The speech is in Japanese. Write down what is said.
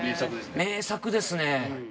名作ですね。